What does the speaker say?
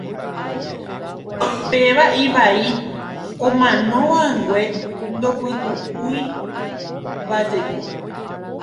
Péva ivai, omanóva angue ndopytu'úivajeko.